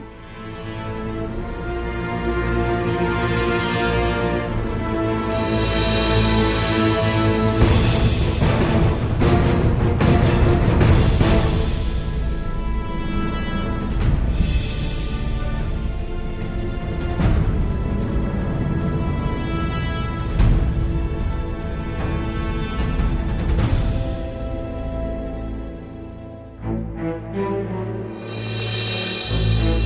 terima kasih ya afif